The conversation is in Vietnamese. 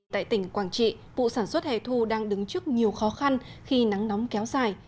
tại tỉnh quảng trị vụ sản xuất hề thu đang đứng trước nhiều khó khăn khi nắng nóng kéo dài